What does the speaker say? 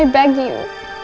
i beg you